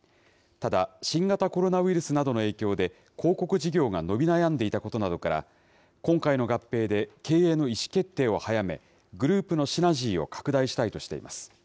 ただ、新型コロナウイルスなどの影響で、広告事業が伸び悩んでいたことから今回の合併で経営の意思決定を早め、グループのシナジーを拡大したいとしています。